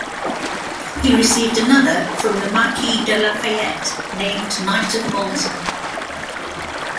He received another from the Marquis de Lafayette named Knight of Malta.